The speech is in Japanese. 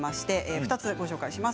２つご紹介します。